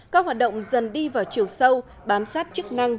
các hoạt động dần đi vào chiều sâu bám sát chức năng